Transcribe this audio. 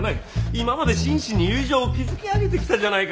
今まで真摯に友情を築き上げてきたじゃないか。